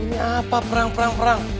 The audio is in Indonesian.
ini apa perang perang